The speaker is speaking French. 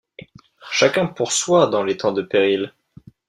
Chacun pour soi dans les temps de péril.